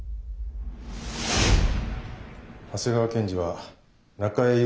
長谷川検事は中江雄